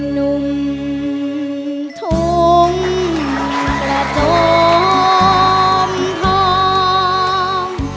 หนุ่มทุ่งกระจมทอง